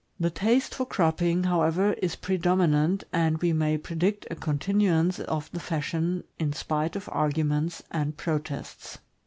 The taste for cropping, however, is predominant, and we may predict a continuance of the fashion, in spite of arguments and protests.